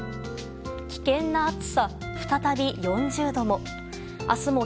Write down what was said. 危険な暑さ、再び４０度も。